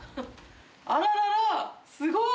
あらららすごい！